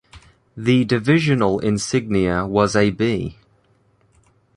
The divisional insignia was a bee.